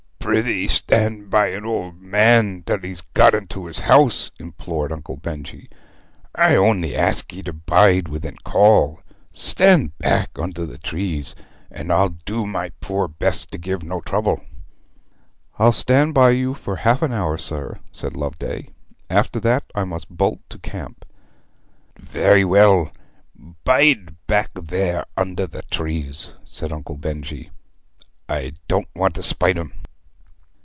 'Prithee stand by an old man till he's got into his house!' implored Uncle Benjy. 'I only ask ye to bide within call. Stand back under the trees, and I'll do my poor best to give no trouble.' 'I'll stand by you for half an hour, sir,' said Loveday. 'After that I must bolt to camp.' 'Very well; bide back there under the trees,' said Uncle Benjy. 'I don't want to spite 'em?'